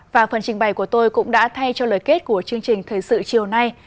và phần trình bày của tôi cũng đã thay cho lời kết của chương trình thời sự chiều nay